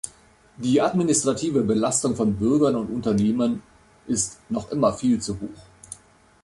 Die administrative Belastung von Bürgern und Unternehmen ist noch immer viel zu hoch.